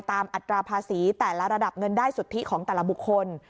อัตราภาษีแต่ละระดับเงินได้สุทธิของแต่ละบุคคล